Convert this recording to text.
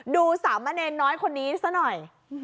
ดูสามะเนรน้อยคนนี้ซะหน่อย